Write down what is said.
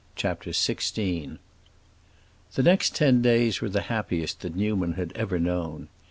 CHAPTER XVI The next ten days were the happiest that Newman had ever known.